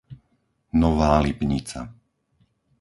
Nová Lipnica